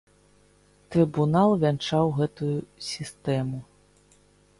Трыбунал вянчаў гэтую сістэму.